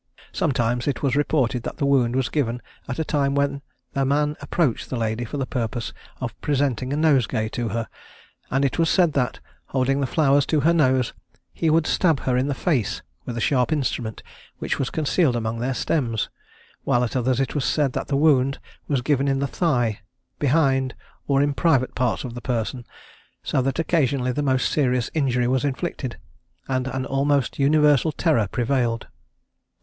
Sometimes it was reported that the wound was given at a time when the man approached the lady for the purpose of presenting a nosegay to her; and it was said that, holding the flowers to her nose, he would stab her in the face with a sharp instrument which was concealed among their stems; while at others it was said that the wound was given in the thigh, behind, or in private parts of the person, so that occasionally the most serious injury was inflicted; and an almost universal terror prevailed.